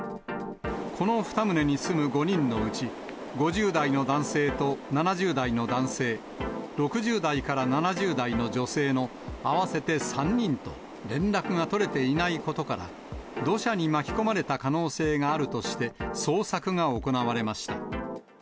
この２棟に住む５人のうち、５０代の男性と７０代の男性、６０代から７０代の女性の合わせて３人と連絡が取れていないことから、土砂に巻き込まれた可能性があるとして、捜索が行われました。